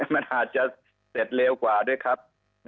มันอาจจะเสร็จเร็วกว่าด้วยครับ